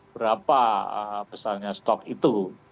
berapa besarnya stok itu